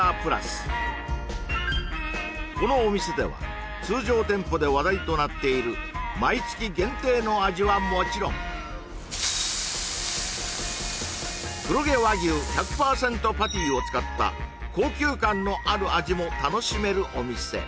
このお店では通常店舗で話題となっている毎月限定の味はもちろん黒毛和牛１００％パティを使った高級感のある味も楽しめるお店